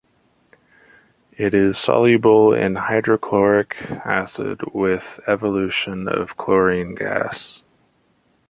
It is soluble in hydrochloric acid with evolution of chlorine gas.